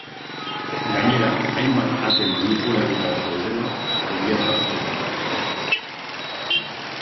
Gainera, hainbat ate manipulatuta zeudela egiaztatu zuten.